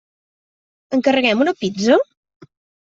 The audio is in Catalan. Encarreguem una pizza?